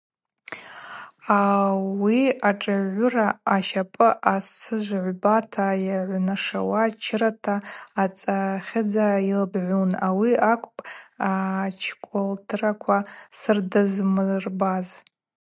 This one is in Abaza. Ауи ашӏыгӏвгӏвыра ащапӏы асыжв гӏвбата йагӏвнашауа чырата ацӏахьыдза йылбгӏун – ауи акӏвпӏ ачкъвылтырква сырдызмырбаз.